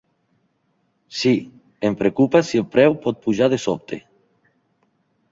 Sí, em preocupa si el preu pot pujar de sobte.